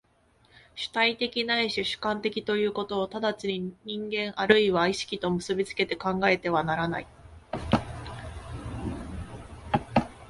主体的ないし主観的ということを直ちに人間或いは意識と結び付けて考えてはならない。